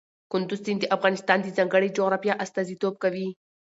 کندز سیند د افغانستان د ځانګړي جغرافیه استازیتوب کوي.